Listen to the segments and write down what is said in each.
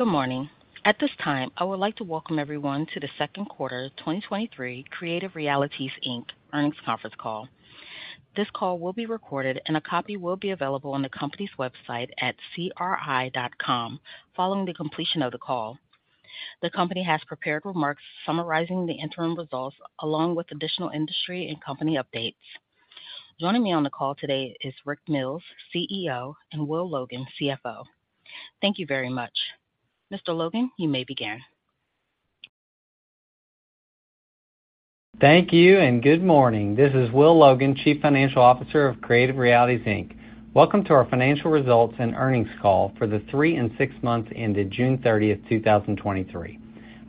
Good morning. At this time, I would like to welcome everyone to Q2, 2023 Creative Realities, Inc. Earnings Conference call. This call will be recorded, and a copy will be available on the company's website at cri.com following the completion of the call. The company has prepared remarks summarizing the interim results, along with additional industry and company updates. Joining me on the call today is Rick Mills, CEO, and Will Logan, CFO. Thank you very much. Mr. Logan, you may begin. Thank you, and good morning. This is Will Logan, Chief Financial Officer of Creative Realities, Inc. Welcome to our financial results and earnings call for the three and six months ended June thirtieth, 2023.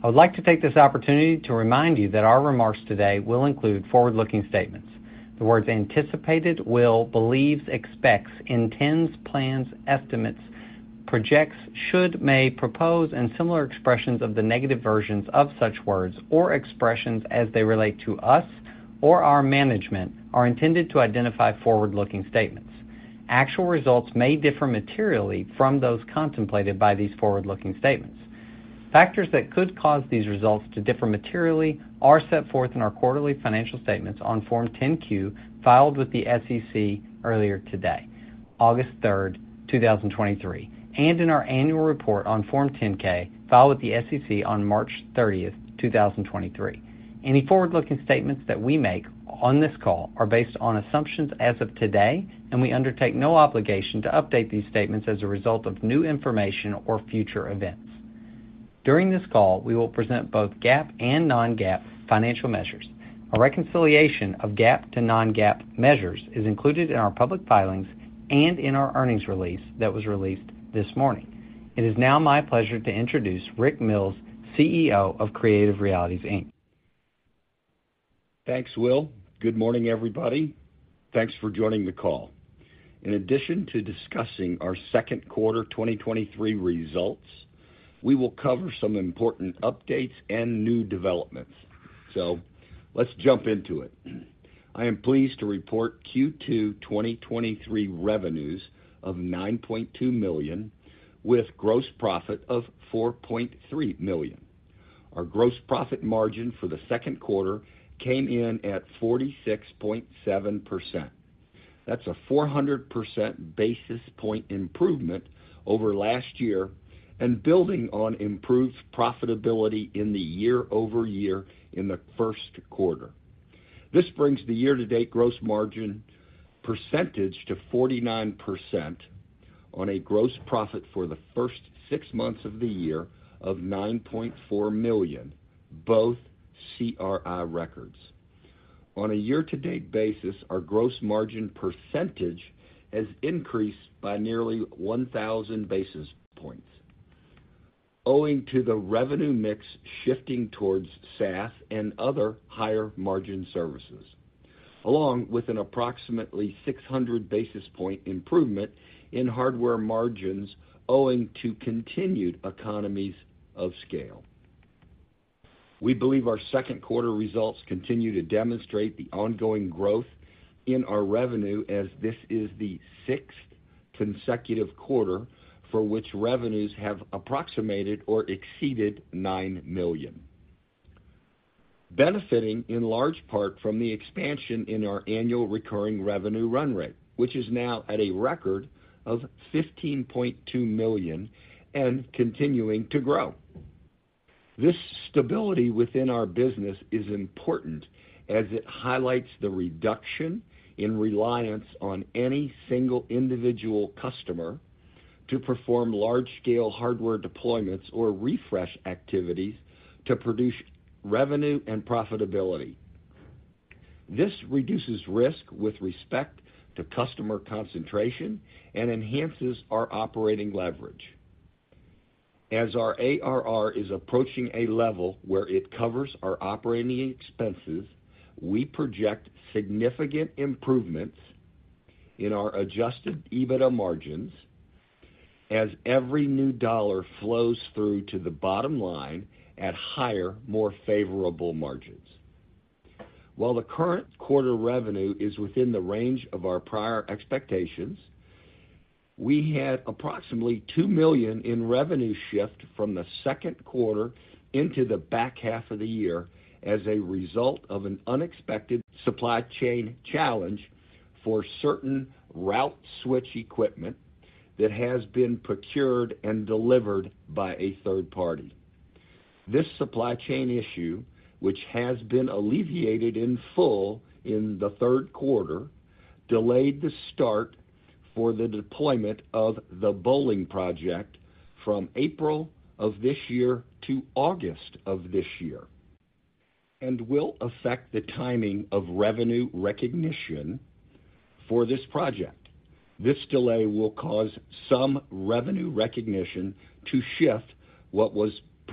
I would like to take this opportunity to remind you that our remarks today will include forward-looking statements. The words anticipated, will, believes, expects, intends, plans, estimates, projects, should, may, propose, and similar expressions of the negative versions of such words or expressions as they relate to us or our management, are intended to identify forward-looking statements. Actual results may differ materially from those contemplated by these forward-looking statements. Factors that could cause these results to differ materially are set forth in our quarterly financial statements on Form 10-Q, filed with the SEC earlier today, August 3, 2023, and in our annual report on Form 10-K, filed with the SEC on March 30, 2023. Any forward-looking statements that we make on this call are based on assumptions as of today, and we undertake no obligation to update these statements as a result of new information or future events. During this call, we will present both GAAP and non-GAAP financial measures. A reconciliation of GAAP to non-GAAP measures is included in our public filings and in our earnings release that was released this morning. It is now my pleasure to introduce Rick Mills, CEO of Creative Realities, Inc. Thanks, Will. Good morning, everybody. Thanks for joining the call. In addition to discussing our Q2 2023 results, we will cover some important updates and new developments. Let's jump into it. I am pleased to report Q2 2023 revenues of $9.2 million, with gross profit of $4.3 million. Our gross profit margin for Q2 came in at 46.7%. That's a 400 percent basis point improvement over last year and building on improved profitability in the year-over-year in Q1. This brings the year-to-date gross margin percentage to 49% on a gross profit for the first six months of the year of $9.4 million, both CRI records. On a year-to-date basis, our gross margin percentage has increased by nearly 1,000 basis points, owing to the revenue mix shifting towards SaaS and other higher-margin services, along with an approximately 600 basis point improvement in hardware margins, owing to continued economies of scale. We believe our Q2 results continue to demonstrate the ongoing growth in our revenue, as this is the sixth consecutive quarter for which revenues have approximated or exceeded $9 million. Benefiting in large part from the expansion in our annual recurring revenue run rate, which is now at a record of $15.2 million and continuing to grow. This stability within our business is important as it highlights the reduction in reliance on any single individual customer to perform large-scale hardware deployments or refresh activities to produce revenue and profitability. This reduces risk with respect to customer concentration and enhances our operating leverage. As our ARR is approaching a level where it covers our operating expenses, we project significant improvements in our Adjusted EBITDA margins as every new dollar flows through to the bottom line at higher, more favorable margins. While the current quarter revenue is within the range of our prior expectations, we had approximately $2 million in revenue shift from Q2 into the back half of the year as a result of an unexpected supply chain challenge for certain route switch equipment that has been procured and delivered by a third party. This supply chain issue, which has been alleviated in full in Q3, delayed the start for the deployment of the Bowling project from April of this year to August of this year, and will affect the timing of revenue recognition for this project. This delay will cause some revenue recognition to shift what was projected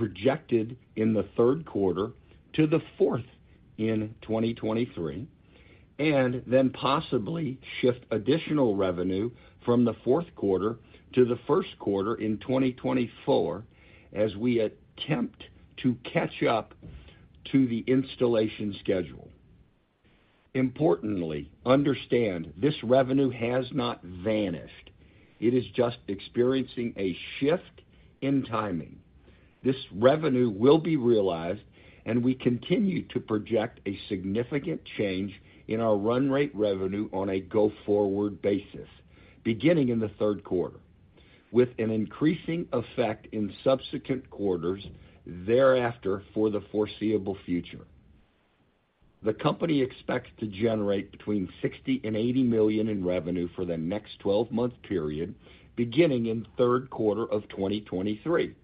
in Q3 to the fourth in 2023, and then possibly shift additional revenue from the fourth quarter to Q1 in 2024, as we attempt to catch up to the installation schedule. Importantly, understand this revenue has not vanished. It is just experiencing a shift in timing. This revenue will be realized, and we continue to project a significant change in our run rate revenue on a go-forward basis, beginning in Q3, with an increasing effect in subsequent quarters thereafter for the foreseeable future. The company expects to generate between $60 million and $80 million in revenue for the next 12-month period, beginning in Q3 of 2023,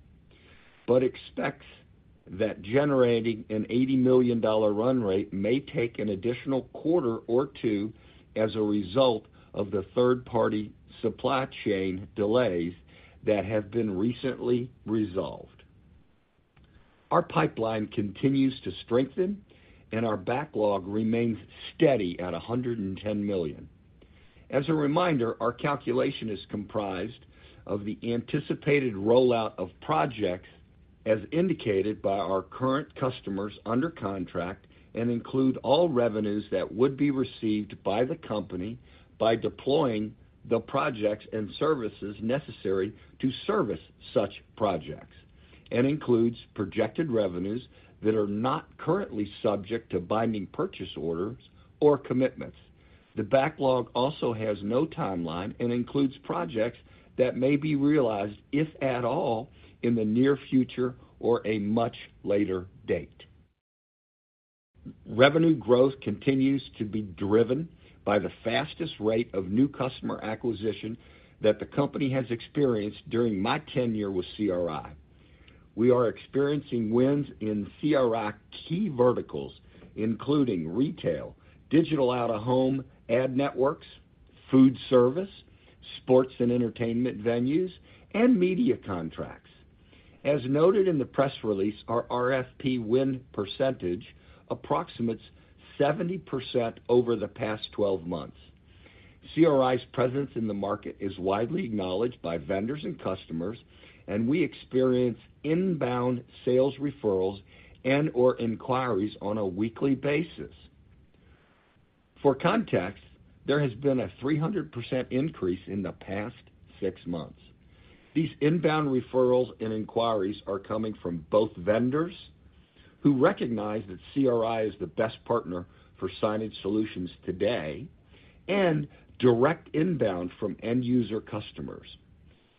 but expects that generating an $80 million run rate may take an additional quarter or two as a result of the third-party supply chain delays that have been recently resolved. Our pipeline continues to strengthen and our backlog remains steady at $110 million. As a reminder, our calculation is comprised of the anticipated rollout of projects as indicated by our current customers under contract, and include all revenues that would be received by the company by deploying the projects and services necessary to service such projects, and includes projected revenues that are not currently subject to binding purchase orders or commitments. The backlog also has no timeline and includes projects that may be realized, if at all, in the near future or a much later date. Revenue growth continues to be driven by the fastest rate of new customer acquisition that the company has experienced during my tenure with CRI. We are experiencing wins in CRI key verticals, including retail, digital out-of-home ad networks, food service, sports and entertainment venues, and media contracts. As noted in the press release, our RFP win percentage approximates 70% over the past 12 months. CRI's presence in the market is widely acknowledged by vendors and customers, and we experience inbound sales referrals and or inquiries on a weekly basis. For context, there has been a 300% increase in the past 6 months. These inbound referrals and inquiries are coming from both vendors who recognize that CRI is the best partner for signage solutions today, direct inbound from end user customers.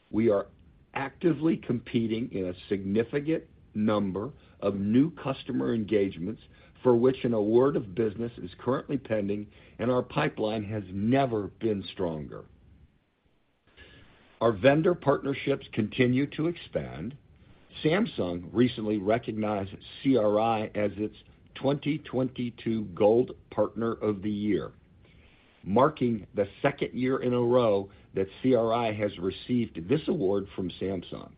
We are actively competing in a significant number of new customer engagements for which an award of business is currently pending, and our pipeline has never been stronger. Our vendor partnerships continue to expand. Samsung recently recognized CRI as its 2022 Gold Partner of the Year, marking the second year in a row that CRI has received this award from Samsung.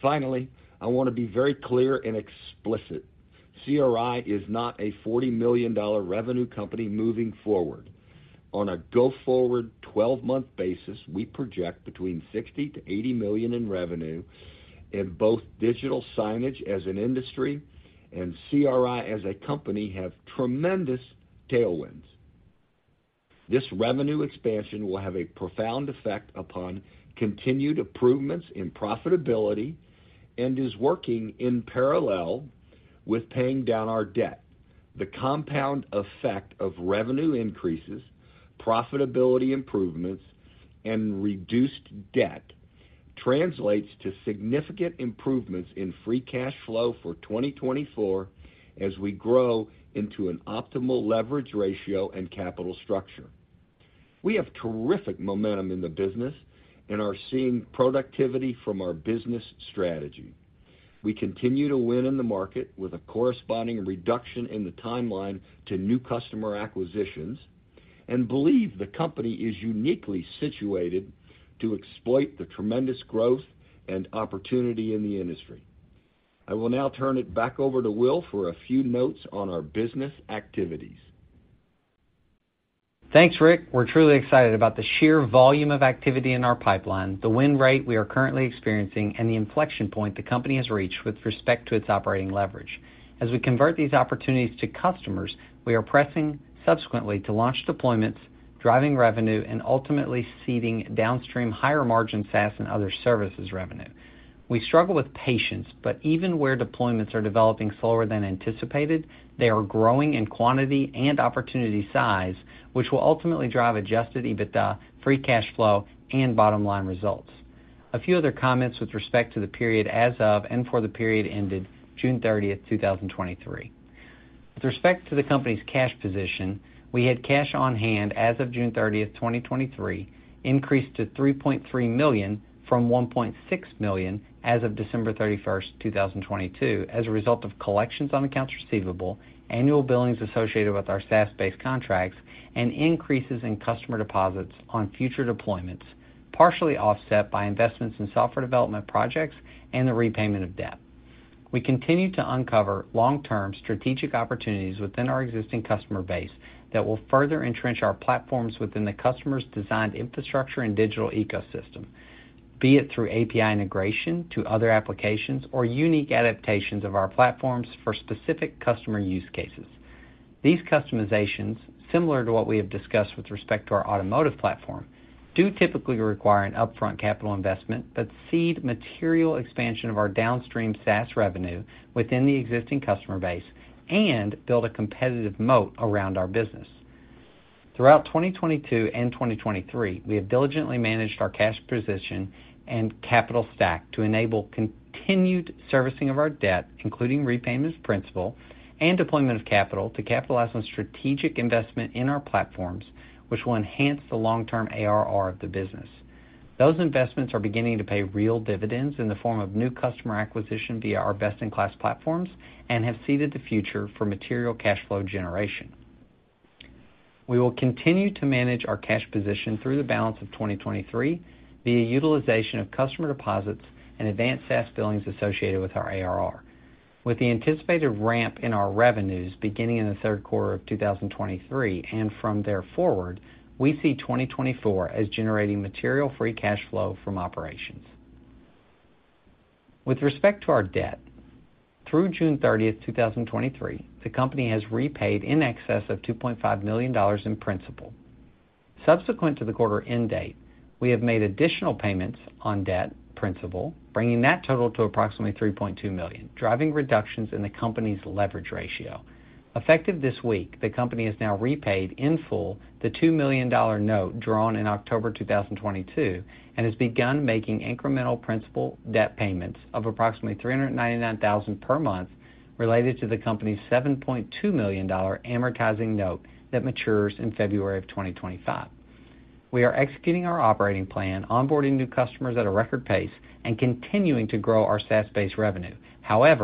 Finally, I want to be very clear and explicit. CRI is not a $40 million revenue company moving forward. On a go-forward 12-month basis, we project between $60 million-$80 million in revenue, and both digital signage as an industry and CRI as a company have tremendous tailwinds. This revenue expansion will have a profound effect upon continued improvements in profitability and is working in parallel with paying down our debt. The compound effect of revenue increases, profitability improvements, and reduced debt translates to significant improvements in free cash flow for 2024 as we grow into an optimal leverage ratio and capital structure. We have terrific momentum in the business and are seeing productivity from our business strategy. We continue to win in the market with a corresponding reduction in the timeline to new customer acquisitions, and believe the company is uniquely situated to exploit the tremendous growth and opportunity in the industry. I will now turn it back over to Will for a few notes on our business activities. Thanks, Rick. We're truly excited about the sheer volume of activity in our pipeline, the win rate we are currently experiencing, and the inflection point the company has reached with respect to its operating leverage. As we convert these opportunities to customers, we are pressing subsequently to launch deployments, driving revenue and ultimately seeding downstream higher-margin SaaS and other services revenue. Even where deployments are developing slower than anticipated, they are growing in quantity and opportunity size, which will ultimately drive Adjusted EBITDA, free cash flow, and bottom-line results. A few other comments with respect to the period as of and for the period ended June thirtieth, 2023. With respect to the company's cash position, we had cash on hand as of June 30, 2023, increased to $3.3 million from $1.6 million as of December 31, 2022, as a result of collections on accounts receivable, annual billings associated with our SaaS-based contracts, and increases in customer deposits on future deployments, partially offset by investments in software development projects and the repayment of debt. We continue to uncover long-term strategic opportunities within our existing customer base that will further entrench our platforms within the customer's designed infrastructure and digital ecosystem. Be it through API integration to other applications or unique adaptations of our platforms for specific customer use cases. These customizations, similar to what we have discussed with respect to our automotive platform, do typically require an upfront capital investment, seed material expansion of our downstream SaaS revenue within the existing customer base and build a competitive moat around our business. Throughout 2022 and 2023, we have diligently managed our cash position and capital stack to enable continued servicing of our debt, including repayment as principal and deployment of capital to capitalize on strategic investment in our platforms, which will enhance the long-term ARR of the business. Those investments are beginning to pay real dividends in the form of new customer acquisition via our best-in-class platforms and have seeded the future for material cash flow generation. We will continue to manage our cash position through the balance of 2023 via utilization of customer deposits and advanced SaaS billings associated with our ARR. With the anticipated ramp in our revenues beginning in Q3 of 2023 and from there forward, we see 2024 as generating material free cash flow from operations. With respect to our debt, through June 30, 2023, the company has repaid in excess of $2.5 million in principal. Subsequent to the quarter end date, we have made additional payments on debt principal, bringing that total to approximately $3.2 million, driving reductions in the company's leverage ratio. Effective this week, the company has now repaid in full the $2 million note drawn in October 2022, and has begun making incremental principal debt payments of approximately $399,000 per month related to the company's $7.2 million amortizing note that matures in February 2025. We are executing our operating plan, onboarding new customers at a record pace, and continuing to grow our SaaS-based revenue.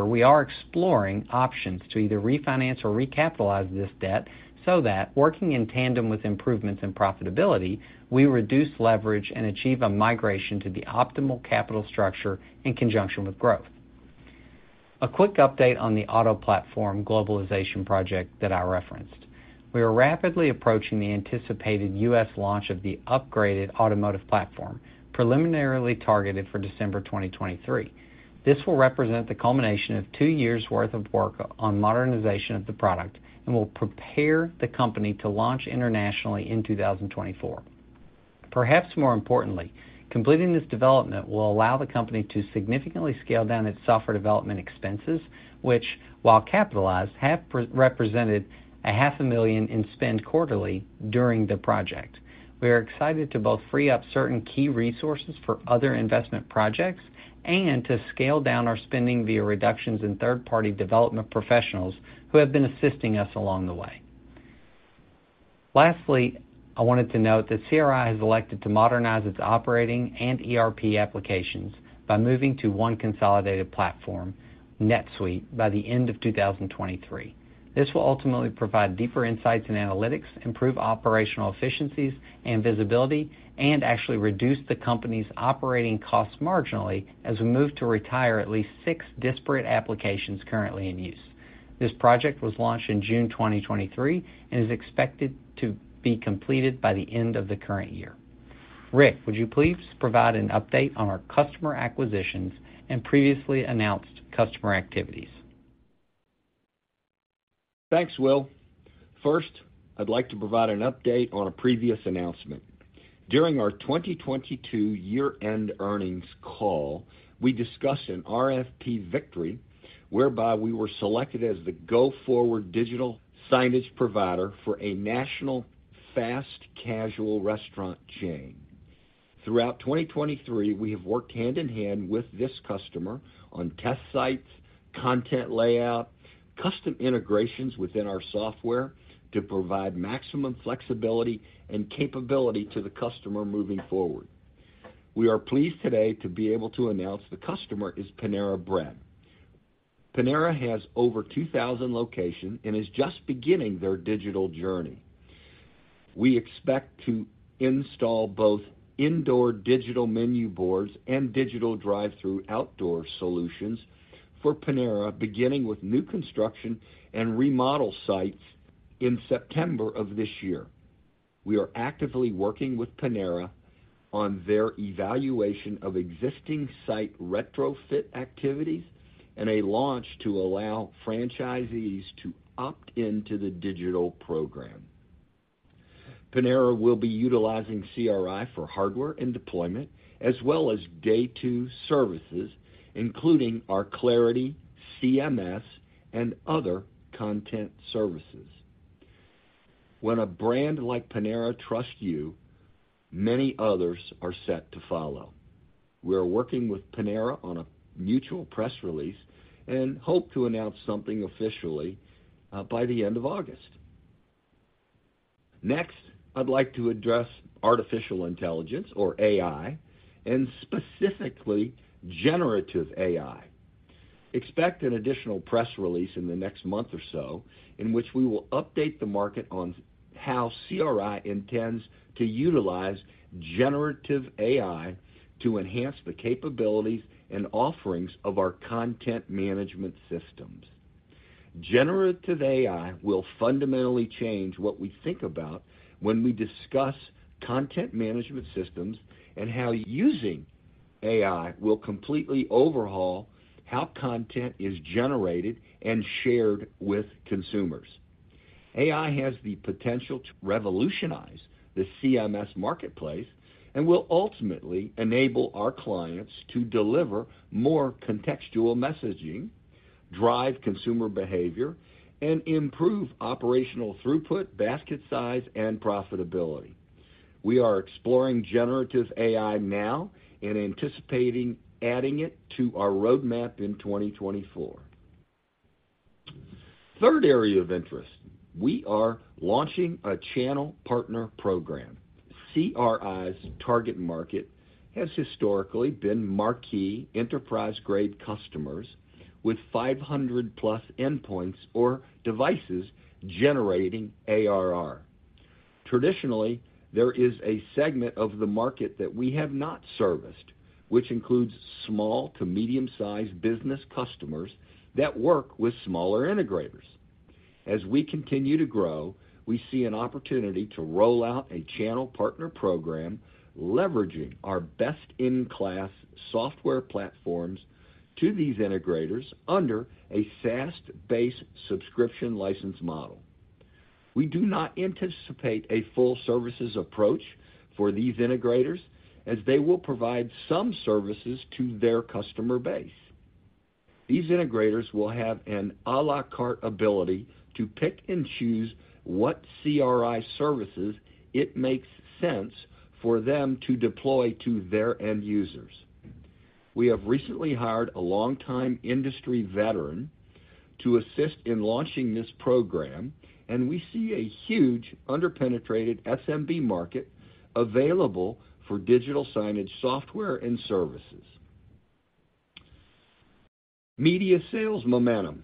We are exploring options to either refinance or recapitalize this debt so that working in tandem with improvements in profitability, we reduce leverage and achieve a migration to the optimal capital structure in conjunction with growth. A quick update on the auto platform globalization project that I referenced. We are rapidly approaching the anticipated U.S. launch of the upgraded automotive platform, preliminarily targeted for December 2023. This will represent the culmination of 2 years' worth of work on modernization of the product and will prepare the company to launch internationally in 2024. Perhaps more importantly, completing this development will allow the company to significantly scale down its software development expenses, which, while capitalized, have represented $500,000 in spend quarterly during the project. We are excited to both free up certain key resources for other investment projects and to scale down our spending via reductions in third-party development professionals who have been assisting us along the way. Lastly, I wanted to note that CRI has elected to modernize its operating and ERP applications by moving to one consolidated platform, NetSuite, by the end of 2023. This will ultimately provide deeper insights and analytics, improve operational efficiencies and visibility, and actually reduce the company's operating costs marginally as we move to retire at least six disparate applications currently in use. This project was launched in June 2023 and is expected to be completed by the end of the current year. Rick, would you please provide an update on our customer acquisitions and previously announced customer activities? Thanks, Will. First, I'd like to provide an update on a previous announcement. During our 2022 year-end earnings call, we discussed an RFP victory whereby we were selected as the go-forward digital signage provider for a national fast casual restaurant chain. Throughout 2023, we have worked hand-in-hand with this customer on test sites, content layout, custom integrations within our software to provide maximum flexibility and capability to the customer moving forward. We are pleased today to be able to announce the customer is Panera Bread. Panera has over 2,000 locations and is just beginning their digital journey. We expect to install both indoor digital menu boards and digital drive-thru outdoor solutions for Panera, beginning with new construction and remodel sites in September of this year. We are actively working with Panera on their evaluation of existing site retrofit activities and a launch to allow franchisees to opt into the digital program. Panera will be utilizing CRI for hardware and deployment, as well as Day 2 services, including our Clarity CMS and other content services. When a brand like Panera trusts you, many others are set to follow. We are working with Panera on a mutual press release and hope to announce something officially by the end of August. Next, I'd like to address artificial intelligence or AI, and specifically generative AI. Expect an additional press release in the next month or so in which we will update the market on how CRI intends to utilize generative AI to enhance the capabilities and offerings of our content management systems. Generative AI will fundamentally change what we think about when we discuss content management systems, and how using AI will completely overhaul how content is generated and shared with consumers. AI has the potential to revolutionize the CMS marketplace and will ultimately enable our clients to deliver more contextual messaging, drive consumer behavior, and improve operational throughput, basket size, and profitability. We are exploring generative AI now and anticipating adding it to our roadmap in 2024. Third area of interest, we are launching a channel partner program. CRI's target market has historically been marquee enterprise-grade customers with 500-plus endpoints or devices generating ARR. Traditionally, there is a segment of the market that we have not serviced, which includes small to medium-sized business customers that work with smaller integrators. As we continue to grow, we see an opportunity to roll out a channel partner program, leveraging our best-in-class software platforms to these integrators under a SaaS-based subscription license model. We do not anticipate a full services approach for these integrators, as they will provide some services to their customer base. These integrators will have an à la carte ability to pick and choose what CRI services it makes sense for them to deploy to their end users. We have recently hired a longtime industry veteran to assist in launching this program, and we see a huge under-penetrated SMB market available for digital signage, software, and services. Media sales momentum.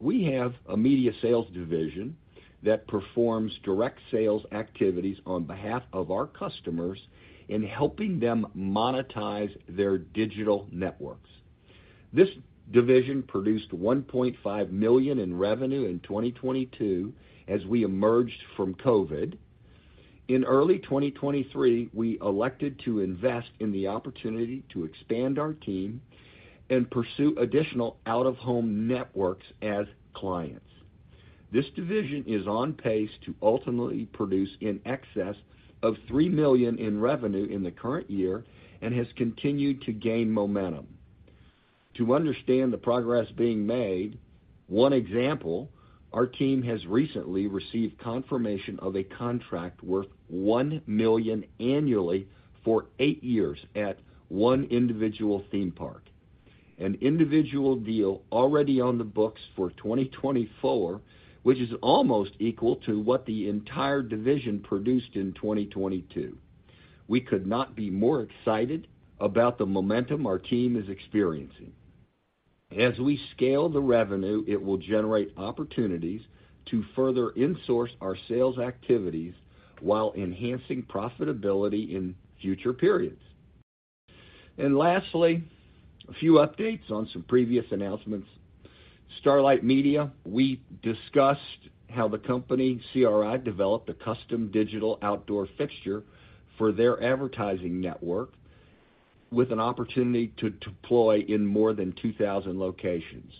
We have a media sales division that performs direct sales activities on behalf of our customers in helping them monetize their digital networks. This division produced $1.5 million in revenue in 2022 as we emerged from COVID. In early 2023, we elected to invest in the opportunity to expand our team and pursue additional out-of-home networks as clients. This division is on pace to ultimately produce in excess of $3 million in revenue in the current year and has continued to gain momentum. To understand the progress being made, one example, our team has recently received confirmation of a contract worth $1 million annually for 8 years at one individual theme park, an individual deal already on the books for 2024, which is almost equal to what the entire division produced in 2022. We could not be more excited about the momentum our team is experiencing. As we scale the revenue, it will generate opportunities to further insource our sales activities while enhancing profitability in future periods. Lastly, a few updates on some previous announcements. Starlite Media. We discussed how the company, CRI, developed a custom digital outdoor fixture for their advertising network with an opportunity to deploy in more than 2,000 locations.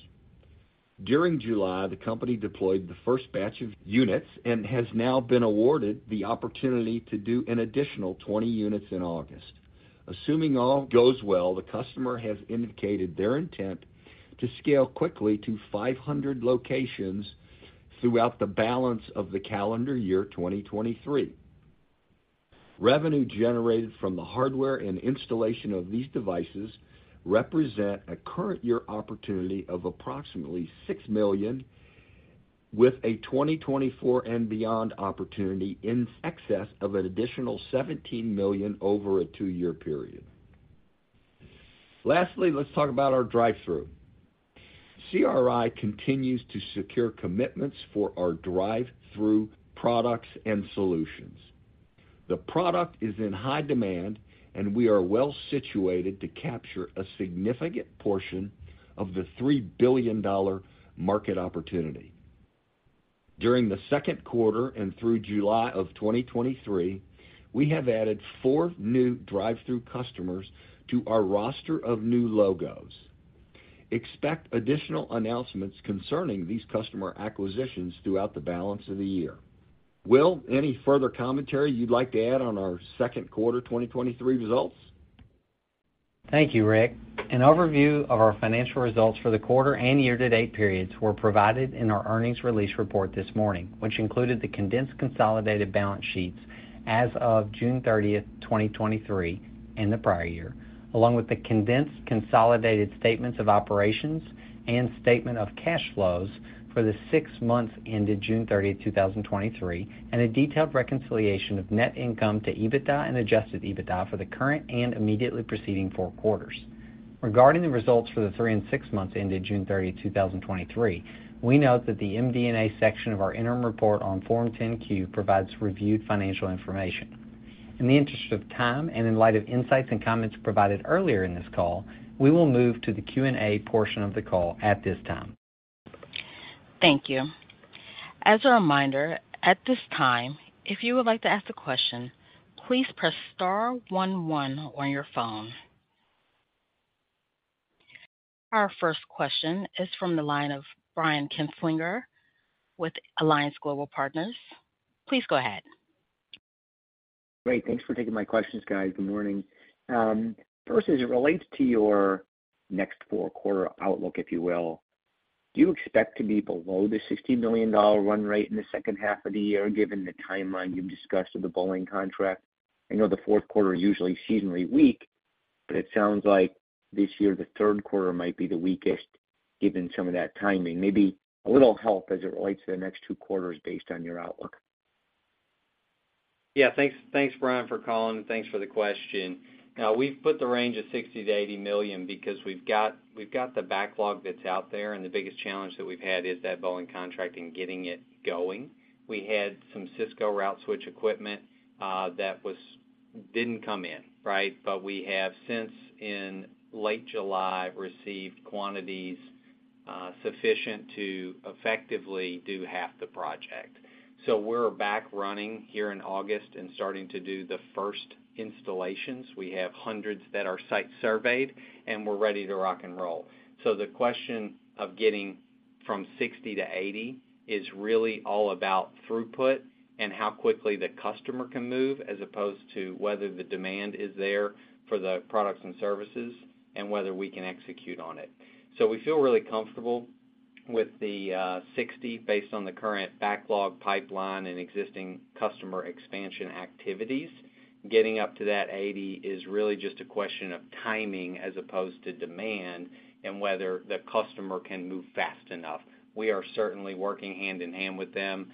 During July, the company deployed the first batch of units and has now been awarded the opportunity to do an additional 20 units in August. Assuming all goes well, the customer has indicated their intent to scale quickly to 500 locations throughout the balance of the calendar year, 2023. Revenue generated from the hardware and installation of these devices represent a current year opportunity of approximately $6 million, with a 2024 and beyond opportunity in excess of an additional $17 million over a 2-year period. Lastly, let's talk about our drive-thru. CRI continues to secure commitments for our drive-thru products and solutions. The product is in high demand. We are well situated to capture a significant portion of the $3 billion market opportunity. During Q2 and through July of 2023, we have added 4 new drive-thru customers to our roster of new logos. Expect additional announcements concerning these customer acquisitions throughout the balance of the year. Will, any further commentary you'd like to add on our Q2 2023 results? Thank you, Rick. An overview of our financial results for the quarter and year-to-date periods were provided in our earnings release report this morning, which included the condensed consolidated balance sheets as of June 30, 2023, and the prior year, along with the condensed consolidated statements of operations and statement of cash flows for the 6 months ended June 30, 2023, and a detailed reconciliation of net income to EBITDA and Adjusted EBITDA for the current and immediately preceding 4 quarters. Regarding the results for the 3 and 6 months ended June 30, 2023, we note that the MD&A section of our interim report on Form 10-Q provides reviewed financial information. In the interest of time and in light of insights and comments provided earlier in this call, we will move to the Q&A portion of the call at this time. Thank you. As a reminder, at this time, if you would like to ask a question, please press star one, one on your phone. Our first question is from the line of Brian Kinstlinger with Alliance Global Partners. Please go ahead. Great. Thanks for taking my questions, guys. Good morning. First, as it relates to your next four-quarter outlook, if you will, do you expect to be below the $60 million run rate in the second half of the year, given the timeline you've discussed of the Bowling contract? I know the fourth quarter is usually seasonally weak, but it sounds like this year, Q3 might be the weakest, given some of that timing. Maybe a little help as it relates to the next two quarters based on your outlook. Yeah, thanks. Thanks, Brian, for calling, and thanks for the question. We've put the range of $60 million-$80 million because we've got, we've got the backlog that's out there, and the biggest challenge that we've had is that bowling contract and getting it going. We had some Cisco route switch equipment didn't come in, right? We have since, in late July, received quantities sufficient to effectively do half the project. We're back running here in August and starting to do the first installations. We have hundreds that are site surveyed, and we're ready to rock and roll. The question of getting from $60 million-$80 million is really all about throughput and how quickly the customer can move, as opposed to whether the demand is there for the products and services and whether we can execute on it. We feel really comfortable with the 60 based on the current backlog pipeline and existing customer expansion activities. Getting up to that 80 is really just a question of timing as opposed to demand and whether the customer can move fast enough. We are certainly working hand in hand with them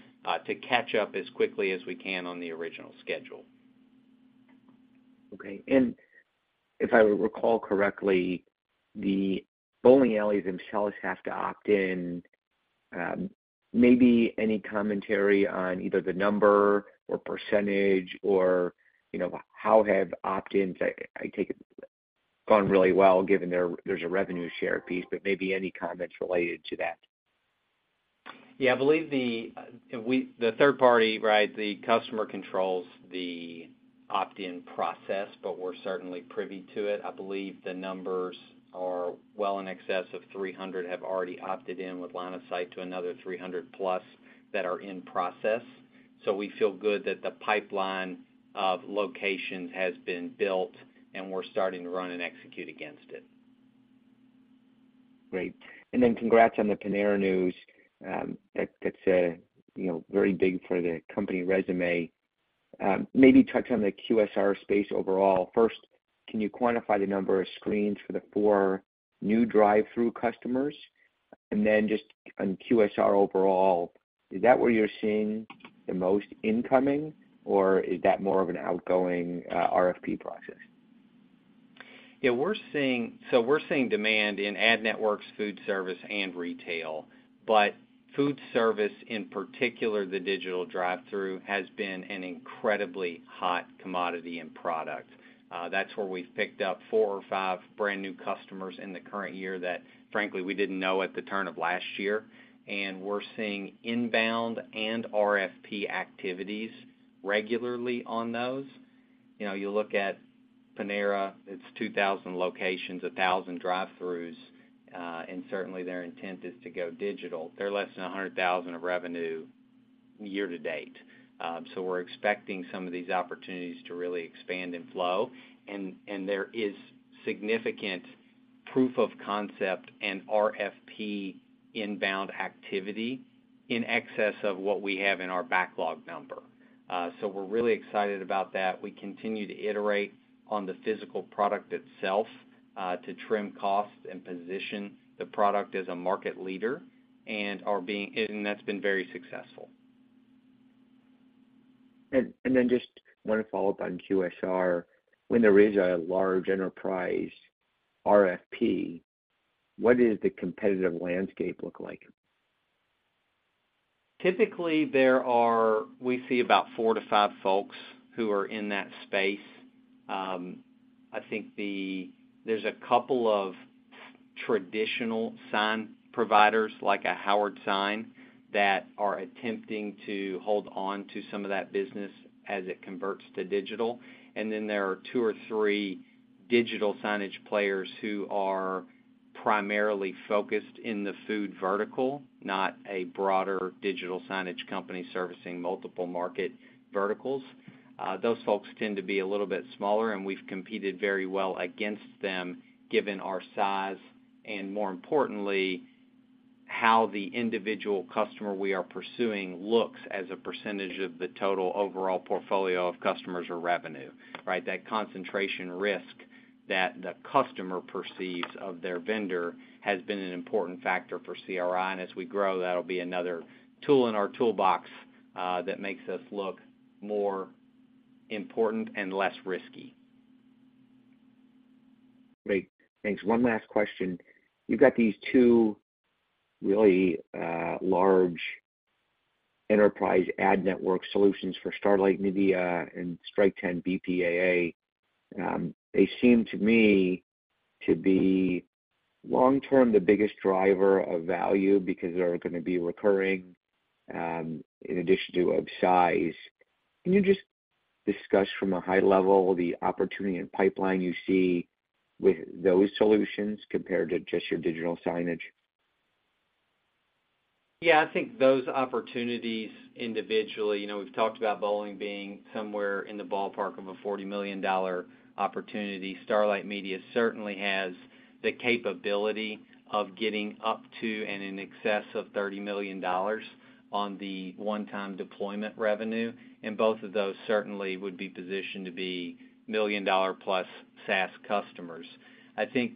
to catch up as quickly as we can on the original schedule. Okay. If I recall correctly, the bowling alleys themselves have to opt in. Maybe any commentary on either the number or percentage or, you know, how have opt-ins, I, I take it, gone really well, given there, there's a revenue share piece, but maybe any comments related to that? Yeah, I believe the, the third party, right, the customer controls the opt-in process, but we're certainly privy to it. I believe the numbers are well in excess of 300, have already opted in with line of sight to another 300+ that are in process. We feel good that the pipeline of locations has been built, and we're starting to run and execute against it. Great. Congrats on the Panera news. That, that's a, you know, very big for the company resume. Maybe touch on the QSR space overall. First, can you quantify the number of screens for the 4 new drive-thru customers? Just on QSR overall, is that where you're seeing the most incoming, or is that more of an outgoing RFP process? We're seeing demand in ad networks, food service, and retail, but food service, in particular, the digital drive-thru, has been an incredibly hot commodity and product. That's where we've picked up 4 or 5 brand-new customers in the current year that, frankly, we didn't know at the turn of last year. We're seeing inbound and RFP activities regularly on those. You know, you look at Panera, it's 2,000 locations, 1,000 drive-thrus, certainly their intent is to go digital. They're less than $100,000 of revenue year to date. We're expecting some of these opportunities to really expand and flow, and there is significant proof of concept and RFP inbound activity in excess of what we have in our backlog number. We're really excited about that. We continue to iterate on the physical product itself, to trim costs and position the product as a market leader, and are being, and that's been very successful. Then just one follow-up on QSR. When there is a large enterprise RFP, what is the competitive landscape look like? Typically, there are we see about 4 to 5 folks who are in that space. I think there's a couple of traditional sign providers, like a Howard Sign, that are attempting to hold on to some of that business as it converts to digital. There are 2 or 3 digital signage players who are primarily focused in the food vertical, not a broader digital signage company servicing multiple market verticals. Those folks tend to be a little bit smaller, and we've competed very well against them, given our size, and more importantly, how the individual customer we are pursuing looks as a percentage of the total overall portfolio of customers or revenue, right? That concentration risk that the customer perceives of their vendor has been an important factor for CRI, and as we grow, that'll be another tool in our toolbox, that makes us look more important and less risky. Great. Thanks. One last question. You've got these two really, large enterprise ad network solutions for Starlite Media and Strike Ten BPAA. They seem to me to be, long term, the biggest driver of value because they're going to be recurring, in addition to of size. Can you just discuss from a high level, the opportunity and pipeline you see with those solutions compared to just your digital signage? Yeah, I think those opportunities individually, you know, we've talked about Bowling being somewhere in the ballpark of a $40 million opportunity. Starlite Media certainly has the capability of getting up to and in excess of $30 million on the one-time deployment revenue, and both of those certainly would be positioned to be million-dollar-plus SaaS customers.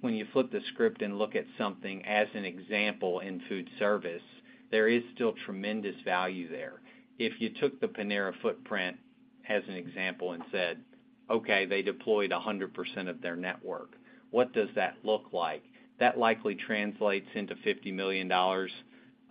When you flip the script and look at something as an example in food service, there is still tremendous value there. If you took the Panera footprint as an example and said, "Okay, they deployed 100% of their network, what does that look like?" That likely translates into $50 million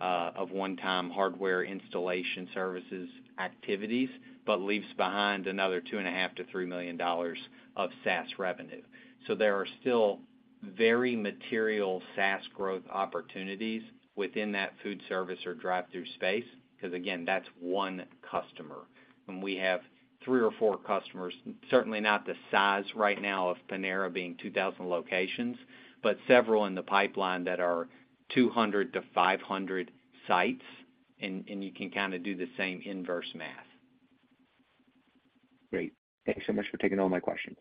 of one-time hardware installation services activities, but leaves behind another $2.5 million-$3 million of SaaS revenue. There are still very material SaaS growth opportunities within that food service or drive-thru space, because, again, that's one customer. We have 3 or 4 customers, certainly not the size right now of Panera being 2,000 locations, but several in the pipeline that are 200-500 sites, and you can kind of do the same inverse math. Great. Thank you so much for taking all my questions.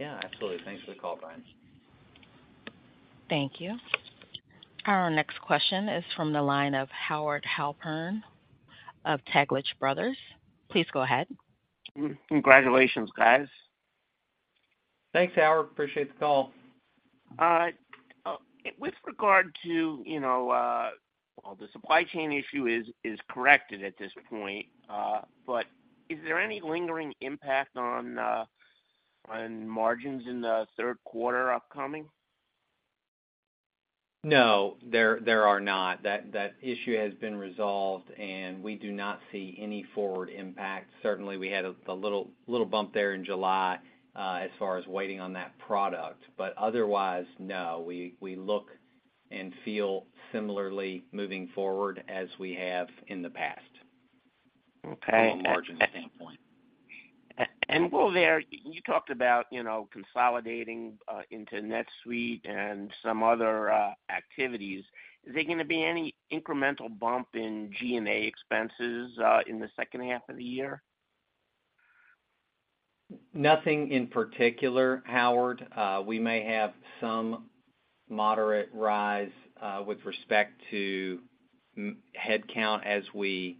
Yeah, absolutely. Thanks for the call, Brian. Thank you. Our next question is from the line of Howard Halpern of Taglich Brothers. Please go ahead. Congratulations, guys. Thanks, Howard. Appreciate the call. With regard to, you know, well, the supply chain issue is, is corrected at this point, but is there any lingering impact on margins in Q3 upcoming? No, there, there are not. That, that issue has been resolved, and we do not see any forward impact. Certainly, we had a, a little, little bump there in July, as far as waiting on that product. Otherwise, no, we, we look and feel similarly moving forward as we have in the past. Okay. From a margin standpoint. While there, you talked about, you know, consolidating into NetSuite and some other activities. Is there going to be any incremental bump in G&A expenses in the second half of the year? Nothing in particular, Howard. We may have some moderate rise, with respect to headcount as we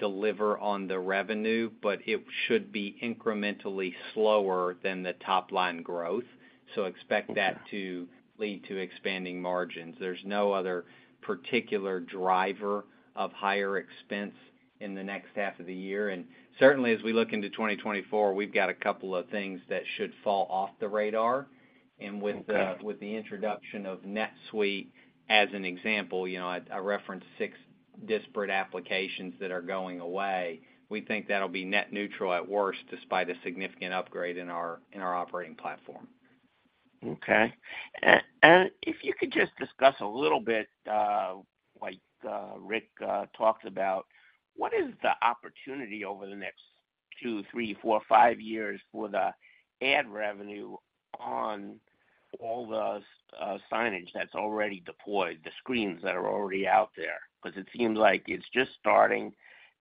deliver on the revenue, but it should be incrementally slower than the top-line growth. Expect that to lead to expanding margins. There's no other particular driver of higher expense in the next half of the year. Certainly, as we look into 2024, we've got a couple of things that should fall off the radar. Okay. With the, with the introduction of NetSuite, as an example, you know, I, I referenced six disparate applications that are going away. We think that'll be net neutral at worst, despite a significant upgrade in our, in our operating platform. Okay. And if you could just discuss a little bit, like, Rick talked about, what is the opportunity over the next 2, 3, 4, 5 years for the ad revenue on all the signage that's already deployed, the screens that are already out there? Because it seems like it's just starting,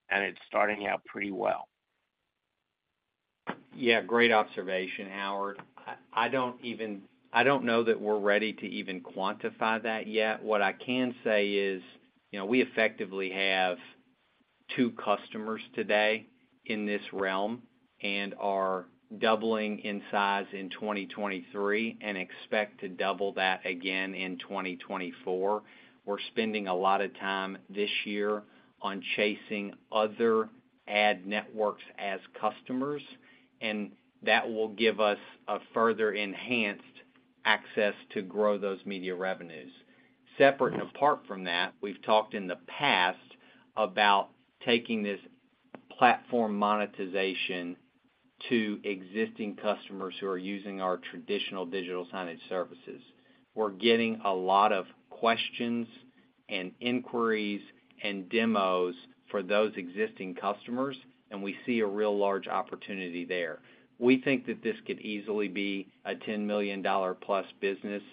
and it's starting out pretty well. Yeah, great observation, Howard. I don't know that we're ready to even quantify that yet. What I can say is, you know, we effectively have 2 customers today in this realm and are doubling in size in 2023, and expect to double that again in 2024. We're spending a lot of time this year on chasing other ad networks as customers, and that will give us a further enhanced access to grow those media revenues. Separate and apart from that, we've talked in the past about taking this platform monetization to existing customers who are using our traditional digital signage services. We're getting a lot of questions, and inquiries, and demos for those existing customers, and we see a real large opportunity there. We think that this could easily be a $10 million+ business,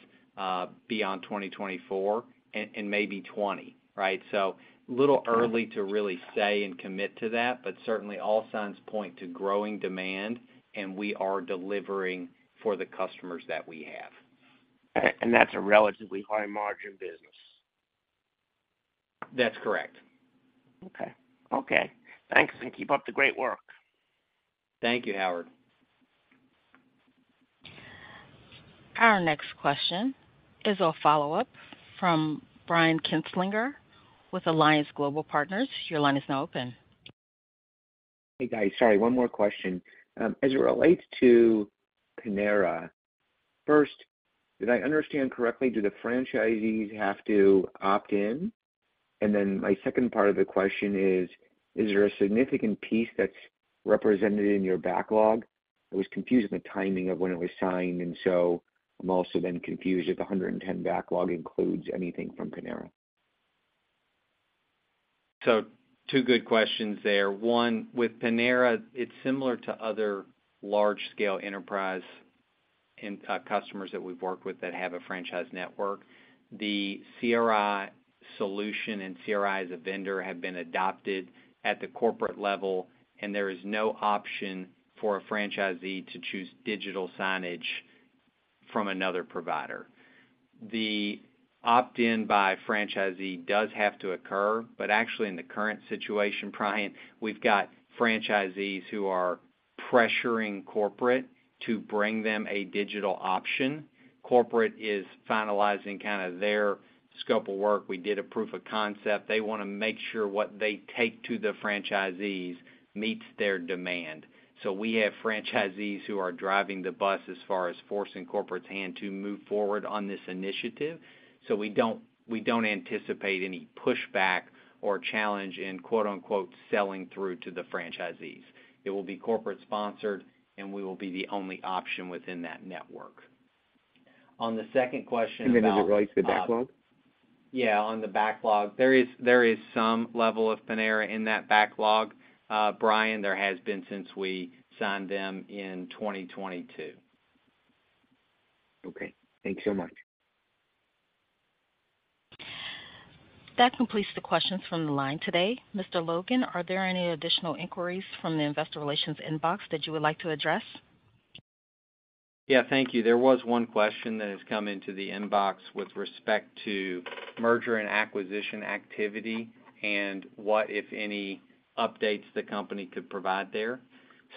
beyond 2024, and maybe 20, right? A little early to really say and commit to that, but certainly all signs point to growing demand, and we are delivering for the customers that we have. That's a relatively high-margin business? That's correct. Okay. Okay. Thanks, and keep up the great work. Thank you, Howard. Our next question is a follow-up from Brian Kinstlinger with Alliance Global Partners. Your line is now open. Hey, guys. Sorry, one more question. As it relates to Panera, first, did I understand correctly, do the franchisees have to opt in? My second part of the question is, there a significant piece that's represented in your backlog? I was confused in the timing of when it was signed, I'm also then confused if the 110 backlog includes anything from Panera. Two good questions there. One, with Panera, it's similar to other large-scale enterprise and customers that we've worked with that have a franchise network. The CRI solution and CRI as a vendor, have been adopted at the corporate level, and there is no option for a franchisee to choose digital signage from another provider. The opt-in by franchisee does have to occur, actually, in the current situation, Brian, we've got franchisees who are pressuring corporate to bring them a digital option. Corporate is finalizing kind of their scope of work. We did a proof of concept. They want to make sure what they take to the franchisees meets their demand. We have franchisees who are driving the bus as far as forcing corporate's hand to move forward on this initiative, so we don't, we don't anticipate any pushback or challenge in quote-unquote, selling through to the franchisees. It will be corporate-sponsored, and we will be the only option within that network. On the second question about. Then as it relates to the backlog? Yeah, on the backlog, there is, there is some level of Panera in that backlog. Brian, there has been since we signed them in 2022. Okay, thanks so much. That completes the questions from the line today. Mr. Logan, are there any additional inquiries from the investor relations inbox that you would like to address? Yeah, thank you. There was one question that has come into the inbox with respect to merger and acquisition activity and what, if any, updates the company could provide there.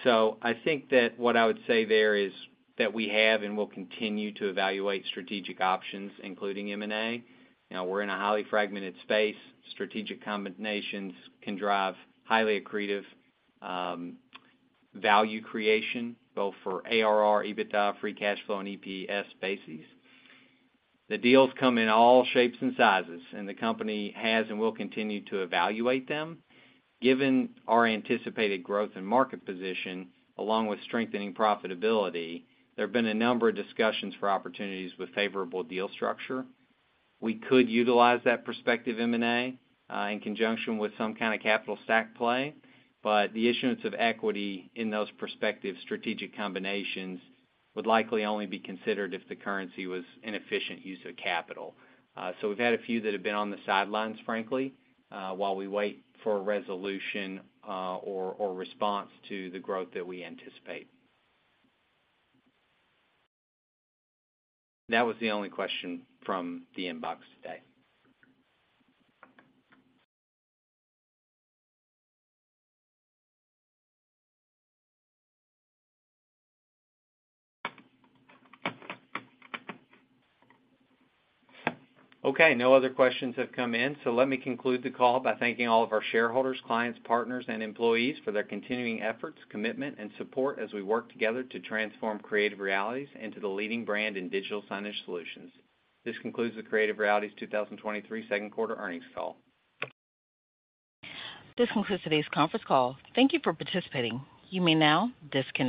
I think that what I would say there is, that we have and will continue to evaluate strategic options, including M&A. You know, we're in a highly fragmented space. Strategic combinations can drive highly accretive, value creation, both for ARR, EBITDA, free cash flow, and EPS bases. The deals come in all shapes and sizes, and the company has and will continue to evaluate them. Given our anticipated growth and market position, along with strengthening profitability, there have been a number of discussions for opportunities with favorable deal structure. We could utilize that prospective M&A in conjunction with some kind of capital stack play. The issuance of equity in those prospective strategic combinations would likely only be considered if the currency was inefficient use of capital. We've had a few that have been on the sidelines, frankly, while we wait for a resolution or response to the growth that we anticipate. That was the only question from the inbox today. No other questions have come in. Let me conclude the call by thanking all of our shareholders, clients, partners, and employees for their continuing efforts, commitment and support as we work together to transform Creative Realities into the leading brand in digital signage solutions. This concludes the Creative Realities 2023 Q2 earnings call. This concludes today's conference call. Thank you for participating. You may now disconnect.